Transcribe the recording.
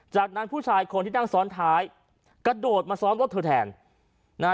จากนั้นผู้ชายคนที่นั่งซ้อนท้ายกระโดดมาซ้อนรถเธอแทนนะฮะ